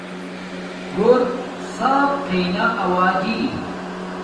گھور صاف تھݵ نا اوجی